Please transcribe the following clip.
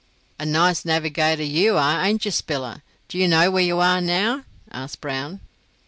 "A nice navigator you are, ain't you, Spiller? Do you know where you are now?" asked Brown.